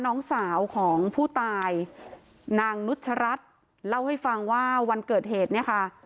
น้องสาวของผู้ตายนางนุชรัฐเล่าให้ฟังว่าวันเกิดเหตุเนี่ยค่ะ